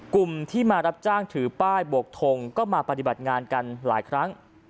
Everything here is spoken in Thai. กลุ่มที่มารับจ้างถือป้ายบวกทงก็มาปฏิบัติงานกันหลายครั้ง